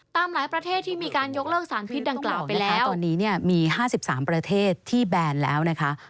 ตามหลายประเทศที่มีการยกเลิกสารพิษดังกล่าวไปแล้ว